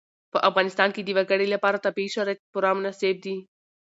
په افغانستان کې د وګړي لپاره طبیعي شرایط پوره مناسب دي.